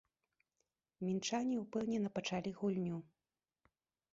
Мінчане ўпэўнена пачалі гульню.